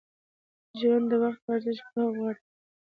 ژوند د وخت په ارزښت پوهه غواړي.